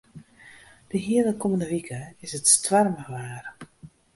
De hiele kommende wike is it stoarmich waar.